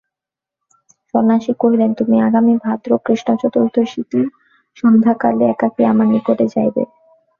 সন্ন্যাসী কহিলেন, তুমি আগামী ভাদ্র কৃষ্ণচতুর্দশীতে সন্ধ্যাকালে একাকী আমার নিকটে যাইবে।